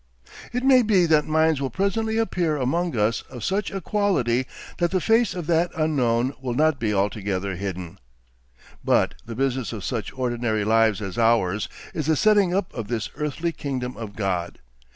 ... It may be that minds will presently appear among us of such a quality that the face of that Unknown will not be altogether hidden. ... But the business of such ordinary lives as ours is the setting up of this earthly kingdom of God.